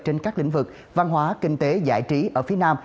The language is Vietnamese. trên các lĩnh vực văn hóa kinh tế giải trí ở phía nam